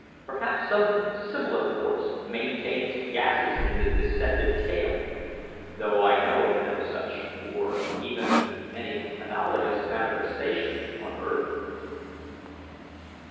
Perhaps some similar force maintains gases in the distended tail, though I know of no such, or even any analogous manifestation on earth.